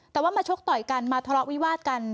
แต่ว่ามาชกต่อยกันมาทะเลาะวิวาดกัน